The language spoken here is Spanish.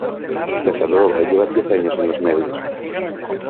Casanova lleva diez años en los medios.